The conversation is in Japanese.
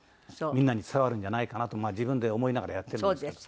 みんなに伝わるんじゃないかなとまあ自分で思いながらやってるんですけど。